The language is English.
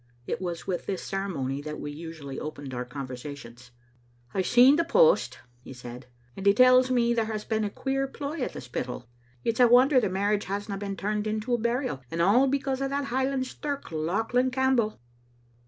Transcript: It was with this cere mony that we usually opened our conversations. " I've seen the post," he said, " and he tells me there has been a queer ploy at the Spittal. It's a wonder the marriage hasna been turned into a burial, and all be cause o' that Highland stirk, Lauchlan Campbell."